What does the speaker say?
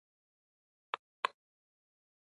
ملا په خپل کټ کې بېرته کښېناست.